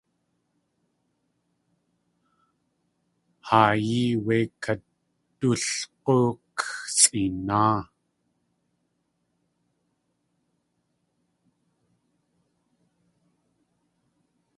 Haayí wé kadulg̲óok sʼeenáa!